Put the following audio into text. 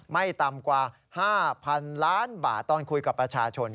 ไม่ต่ำกว่า๕๐๐๐ล้านบาทตอนคุยกับประชาชน